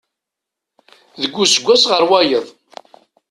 Deg useggas ɣer wayeḍ.